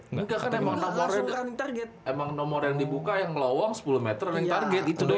enggak kan emang nomor yang dibuka yang ngelowong sepuluh meter running target itu dah